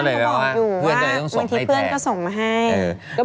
เออพวกเพื่อนหน่อยต้องส่งให้แต่เฟื่อนก็ส่งมาให้